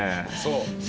そう。